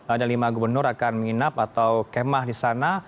ada lima gubernur akan menginap atau kemah di sana